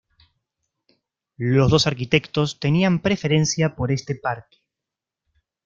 Los dos arquitectos tenían preferencia por este parque.